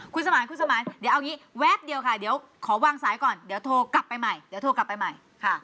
คุณสมาร์ทคุณสมาร์ทเอาอย่างนี้แวบเดียวค่ะเดี๋ยวขอวางสายก่อนเดี๋ยวโทรกลับไปใหม่